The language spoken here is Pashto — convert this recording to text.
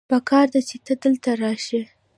پکار دی چې ته دلته راشې